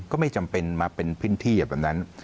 ก็ไม่จำเป็นมาเป็นพื้นที่แบบนั้น